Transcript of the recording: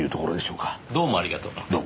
どうもありがとう。